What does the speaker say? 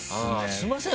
すいません